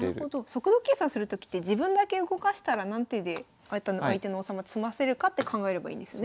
速度計算するときって自分だけ動かしたら何手で相手の王様詰ませるかって考えればいいんですよね。